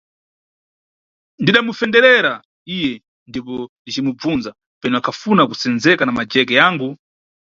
Ndidamufenderera iye ndipo ndicimubvunza penu akhafuna kusenzeka na majeke yangu.